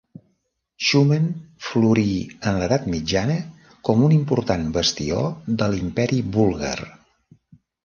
Xumen florí en l'edat mitjana com un important bastió de l'Imperi búlgar.